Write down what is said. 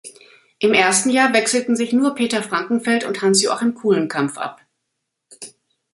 Im ersten Jahr wechselten sich nur Peter Frankenfeld und Hans-Joachim Kulenkampff ab.